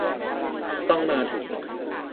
จะต้องมาถึง